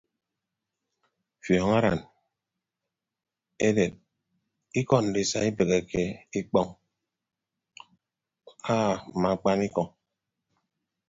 Fiọñ aran eded iko ndisa ibeheke ikpọño aa mme akpanikọ.